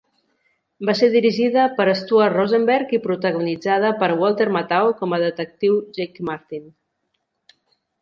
Va ser dirigida per Stuart Rosenberg i protagonitzada per Walter Matthau com a Detectiu Jake Martin.